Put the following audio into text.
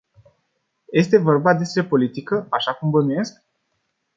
Este vorba despre politică, așa cum bănuiesc?